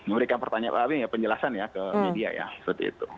memberikan pertanyaan penjelasan ya ke media ya seperti itu